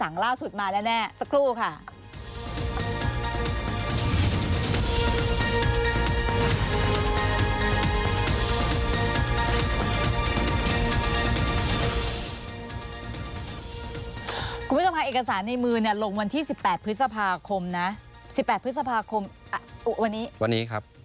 อะไรคะเอกสารอะไร